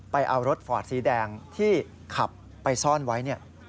เอารถฟอร์ดสีแดงที่ขับไปซ่อนไว้เนี่ย